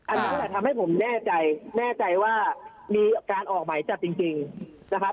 อันนี้แหละทำให้ผมแน่ใจแน่ใจว่ามีการออกหมายจับจริงนะครับ